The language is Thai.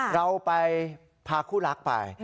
เราไปพาคู่รักไป